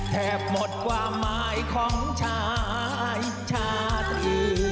แทบหมดความหมายของชายชาตรี